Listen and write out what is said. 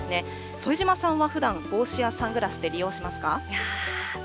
副島さんはふだん、帽子やサングラスって利用しますか。